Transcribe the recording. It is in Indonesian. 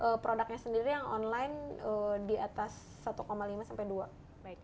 dan produknya sendiri yang online di atas satu lima sampai dua